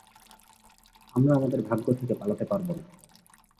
আমরা আমাদের ভাগ্য থেকে পালাতে পারবো না।